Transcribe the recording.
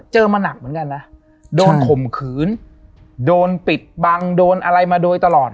มาหนักเหมือนกันนะโดนข่มขืนโดนปิดบังโดนอะไรมาโดยตลอด